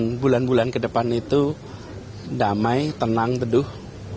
perjalanan bulan bulan ke depan itu damai tenang beduh